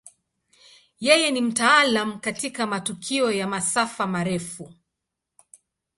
Yeye ni mtaalamu katika matukio ya masafa marefu.